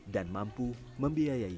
dan mampu membiayai